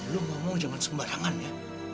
lu ngomong cuma sembarangan ya